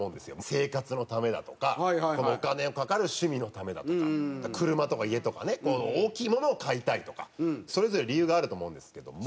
生活のためだとかお金のかかる趣味のためだとか車とか家とかね大きいものを買いたいとかそれぞれ理由があると思うんですけども。